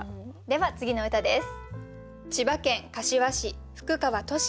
では次の歌です。